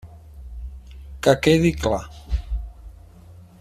Que quedi clar.